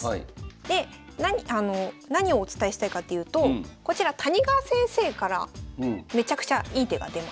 で何をお伝えしたいかっていうとこちら谷川先生からめちゃくちゃいい手が出ます。